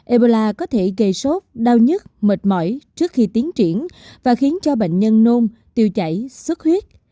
ebola có thể gây sốt đau nhất mệt mỏi trước khi tiến triển và khiến cho bệnh nhân nôn tiêu chảy sức huyết